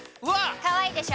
かわいいでしょ？